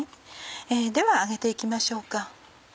では揚げて行きましょうか。